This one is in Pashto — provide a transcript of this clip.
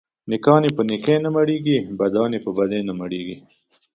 نيکان يې په نيکي نه مړېږي ، بدان يې په بدي نه مړېږي.